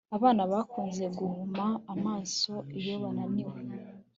Abana bakunze guhuma amaso iyo bananiwe